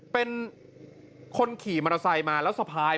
เป็นคนขี่มรสายมาแล้วสะพาย